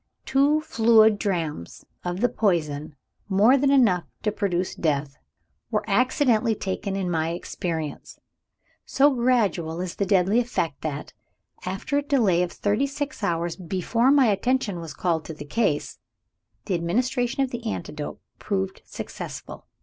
Two fluid drachms of the poison (more than enough to produce death) were accidentally taken in my experience. So gradual is the deadly effect that, after a delay of thirty six hours before my attention was called to the case, the administration of the antidote proved successful.